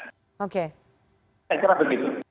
saya kira begitu